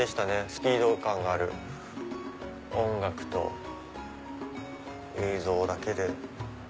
スピード感がある音楽と映像だけで。